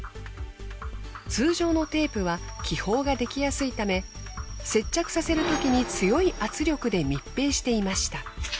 通常のテープは気泡ができやすいため接着させるときに強い圧力で密閉していました。